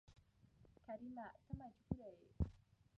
کريمه ته مجبوره يې